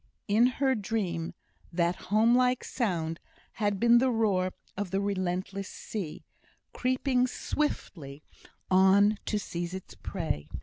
In her dream that home like sound had been the roaring of the relentless sea, creeping swiftly on to seize its prey.